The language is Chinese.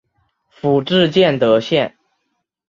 府治建德县。